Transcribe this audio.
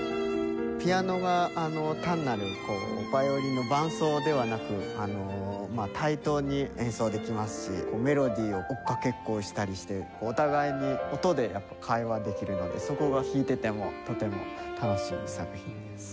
ピアノが単なるヴァイオリンの伴奏ではなく対等に演奏できますしメロディーを追いかけっこしたりしてお互いに音で会話できるのでそこが弾いててもとても楽しい作品です。